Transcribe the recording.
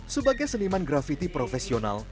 sebagai seniman grafiti profesional